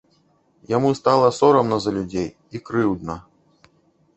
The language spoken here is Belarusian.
Яму стала сорамна за людзей і крыўдна.